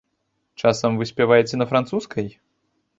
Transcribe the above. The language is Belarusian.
Часам вы спяваеце на французскай?